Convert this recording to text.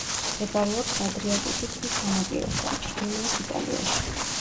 მდებარეობს ადრიატიკის ზღვის სანაპიროსთან, ჩრდილოეთ იტალიაში.